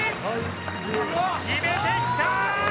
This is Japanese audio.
決めてきた！